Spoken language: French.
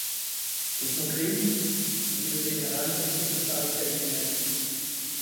Et son crime? dit le général comme s’il se parlait à lui-même.